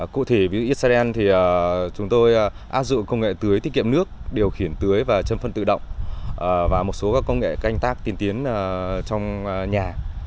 cụ thể với israel chúng tôi áp dụng công nghệ tưới tiết kiệm nước điều khiển tưới và châm phân tự động và một số công nghệ canh tác tiên tiến trong nhà